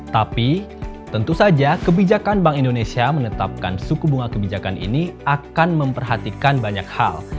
tapi tentu saja kebijakan bank indonesia menetapkan suku bunga kebijakan ini akan memperhatikan banyak hal